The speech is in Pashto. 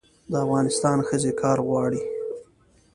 د افغانستان ښځې کار غواړي